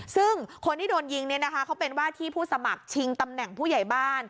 ซึ่งคนที่โดนยิงเนี่ยนะคะเขาเป็นว่าที่ผู้สมัครชิงตำแหน่งผู้ใหญ่บ้าน